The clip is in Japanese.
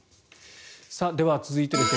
では続いてです。